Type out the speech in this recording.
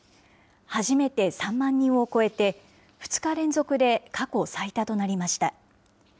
初めて３万人を超えて、２日連続で過去最多となりました。